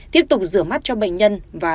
tiếp tục rửa mắt cho bệnh nhân và